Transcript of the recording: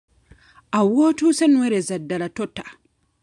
Awo w'otuuse nywereza ddala tota.